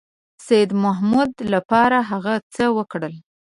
سیدمحمود لپاره هغه څه وکړل.